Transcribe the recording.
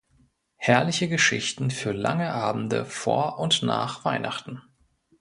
Herrliche Geschichten für lange Abende vor und nach Weihnachten.